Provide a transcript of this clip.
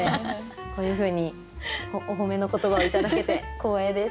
こういうふうにお褒めの言葉を頂けて光栄です。